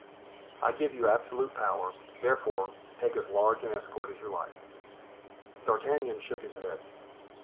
"I give you absolute power, therefore; take as large an escort as you like." D'Artagnan shook his head.